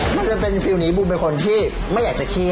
มันจะเป็นฟิลล์นี้บูมเป็นคนที่ไม่อยากจะเครียด